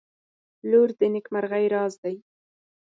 • لور د نیکمرغۍ راز دی.